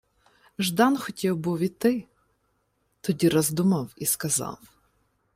Ждан хотів був іти, тоді роздумав і сказав: